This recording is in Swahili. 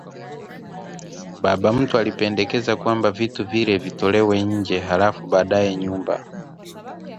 Baba mtu alipendekeza kuwa vitu vile vitolewenje halafu baadaye nyumba